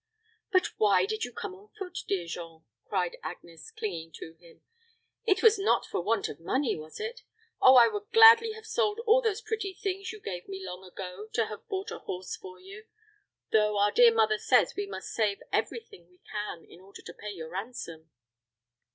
"But why did you come on foot, dear Jean?" cried Agnes, clinging to him. "It was not for want of money, was it? Oh, I would gladly have sold all those pretty things you gave me long ago, to have bought a horse for you, though our dear mother says we must save every thing we can in order to pay your ransom."